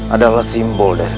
adalah simbol dari